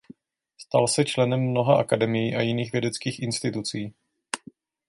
Stal se členem mnoha akademií a jiných vědeckých institucí.